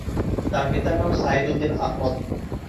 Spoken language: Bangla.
তার পিতার নাম সাঈদ উদ্দিন আহমদ।